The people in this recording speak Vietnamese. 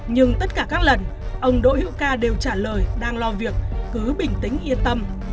nhưng tất cả các lần ông đỗ hữu ca đều trả lời đang lo việc cứ bình tĩnh yên tâm